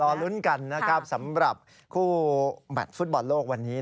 ลุ้นกันนะครับสำหรับคู่แมทฟุตบอลโลกวันนี้